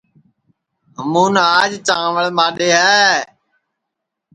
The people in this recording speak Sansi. ہمُون آج چانٚوݪ ماڈؔے ہے